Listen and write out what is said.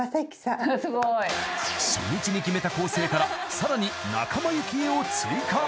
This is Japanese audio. すごい。［初日に決めた構成からさらに仲間由紀恵を追加］